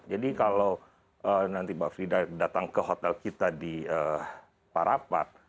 jadi kalau nanti mbak frida datang ke hotel kita di parapat